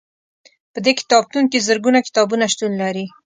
په دې کتابتون کې زرګونه کتابونه شتون لري.